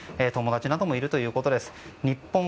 友達などもいるということです。